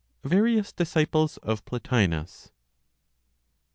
VARIOUS DISCIPLES OF PLOTINOS.